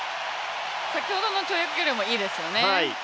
先ほどの跳躍よりもいいですよね。